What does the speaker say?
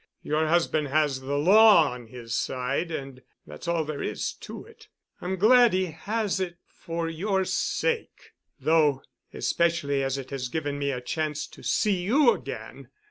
Your husband has the law on his side and that's all there is to it. I'm glad he has it for your sake, though, especially as it has given me a chance to see you again."